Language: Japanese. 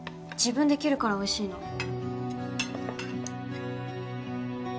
自分で切るからおいしいの。